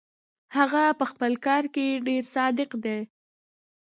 هغه پهخپل کار کې ډېر صادق دی.